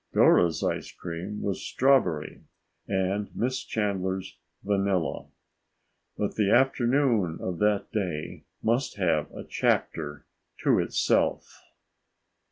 Dora's ice cream was strawberry and Miss Chandler's vanilla. But the afternoon of that day must have a chapter to itself.